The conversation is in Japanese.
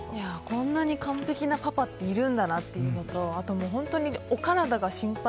こんなに完璧なパパっているんだなっていうのと、あともう本当にお体が心配。